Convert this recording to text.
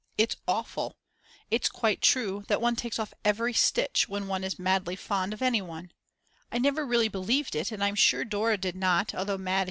It's awful; it's quite true then that one takes off every stitch when one is madly fond of anyone. I never really believed it, and I'm sure Dora did not, although Mad.